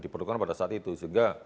diperlukan pada saat itu sehingga